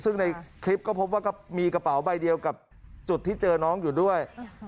ซึ่งในคลิปก็พบว่าก็มีกระเป๋าใบเดียวกับจุดที่เจอน้องอยู่ด้วย